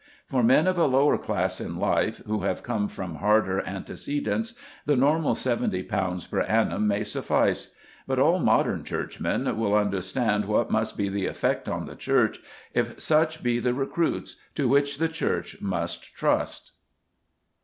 For men of a lower class in life, who have come from harder antecedents, the normal seventy pounds per annum may suffice; but all modern Churchmen will understand what must be the effect on the Church if such be the recruits to which the Church must trust.